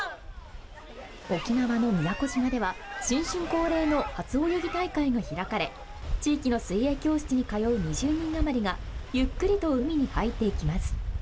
沖縄の宮古島では新春恒例の初泳ぎ大会が開かれ、地域の水泳教室に通う２０人余りがゆっくりと海に入っていきます。